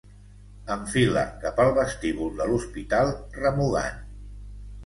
Enfila cap al vestíbul de l'hospital remugant.